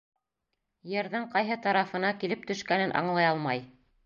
Ерҙең ҡайһы тарафына килеп төшкәнен аңлай алмай.